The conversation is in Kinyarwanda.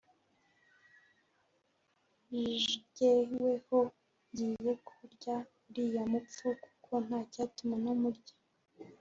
Jyeweho ngiye kurya uriya mupfu, kuko ntacyatuma ntamurya